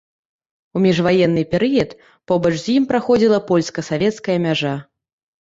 У міжваенны перыяд побач з ім праходзіла польска-савецкая мяжа.